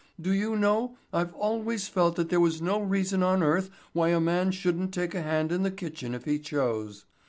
Do you know I've always felt that there was no reason on earth why a man shouldn't take a hand in the kitchen if he chose.